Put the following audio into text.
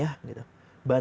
bantu juga teman teman kalian